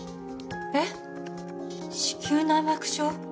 えっ、子宮内膜症？